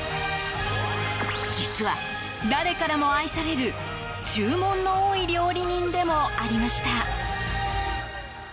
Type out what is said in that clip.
実は、誰からも愛される注文の多い料理人でもありました。